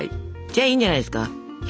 じゃあいいんじゃないですか。